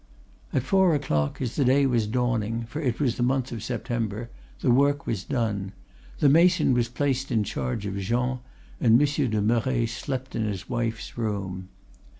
"At four o'clock, as the day was dawning, for it was the month of September, the work was done. The mason was placed in charge of Jean, and Monsieur de Merret slept in his wife's room.